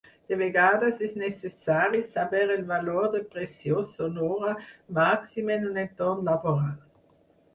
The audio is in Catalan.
De vegades és necessari saber el valor de pressió sonora màxim en un entorn laboral.